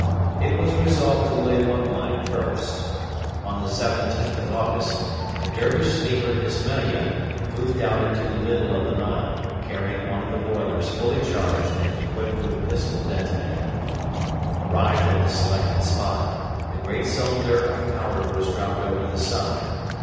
It was resolved to lay one mine first. On the 17th of August the Dervish steamer Ismailia moved out into the middle of the Nile, carrying one of the boilers fully charged and equipped with pistol detonator. Arrived at the selected spot, the great cylinder of powder was dropped over the side.